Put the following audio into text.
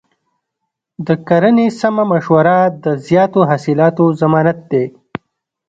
د کرنې سمه مشوره د زیاتو حاصلاتو ضمانت دی.